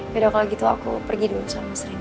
yaudah kalau gitu aku pergi dulu sama mas ren